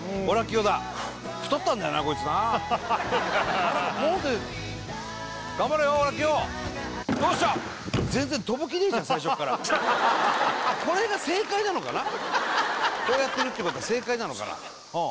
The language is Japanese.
オラキオどうしたこうやってるってことは正解なのかな？